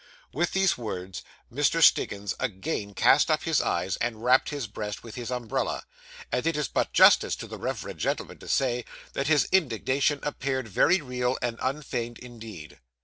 With these words, Mr. Stiggins again cast up his eyes, and rapped his breast with his umbrella; and it is but justice to the reverend gentleman to say, that his indignation appeared very real and unfeigned indeed.